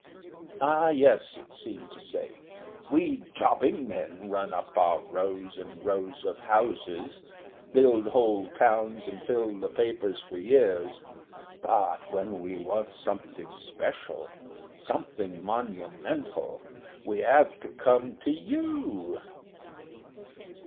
"Ah, yes," it seemed to say, "we jobbing men run up our rows and rows of houses; build whole towns and fill the papers for years. But when we want something special something monumental we have to come to you."